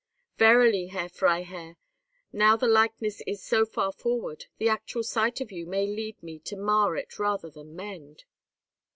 "Verily, Herr Freiherr, now the likeness is so far forward, the actual sight of you may lead me to mar it rather than mend."